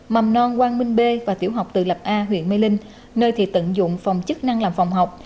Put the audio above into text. mầm non quang minh b và tiểu học tự lập a huyện mê linh nơi thì tận dụng phòng chức năng làm phòng học